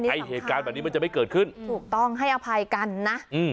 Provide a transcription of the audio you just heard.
ไอ้เหตุการณ์แบบนี้มันจะไม่เกิดขึ้นถูกต้องให้อภัยกันนะอืม